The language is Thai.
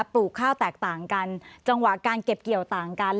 ปลูกข้าวแตกต่างกันจังหวะการเก็บเกี่ยวต่างกัน